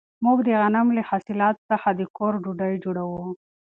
موږ د غنمو له حاصلاتو څخه د کور ډوډۍ جوړوو.